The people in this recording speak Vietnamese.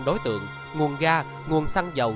đối tượng nguồn gas nguồn xăng dầu